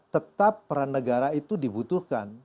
tetap peran negara itu dibutuhkan